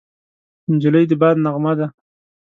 نجلۍ د باد نغمه ده.